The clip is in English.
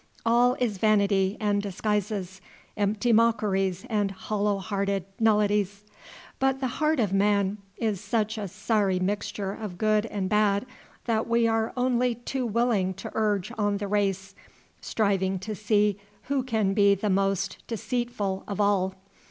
All is vanity and disguises, empty mockeries and hollow hearted nullities. But the heart of man is such a sorry mixture of good and bad that we are only too willing to urge on the race, striving to see who can be the most deceitful of all.